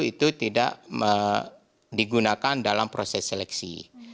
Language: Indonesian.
itu tidak digunakan dalam proses seleksi